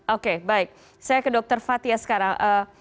oke baik saya ke dr fathia sekarang